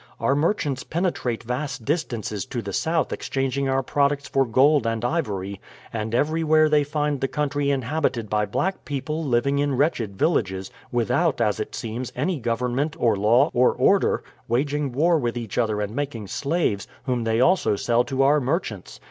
Our merchants penetrate vast distances to the south exchanging our products for gold and ivory, and everywhere they find the country inhabited by black people living in wretched villages, without, as it seems, any government, or law, or order, waging war with each other and making slaves, whom they also sell to our merchants.